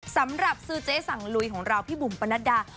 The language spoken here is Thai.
สำหรับซื้อเจ๊สั่งลุยของเราพี่บุ๋มปนัดดา